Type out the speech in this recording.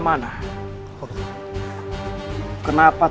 kita sudah selesai menemukan feluk di